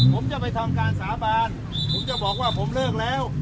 ผมจะไปทำการสาบานผมจะบอกว่าผมเลิกแล้ว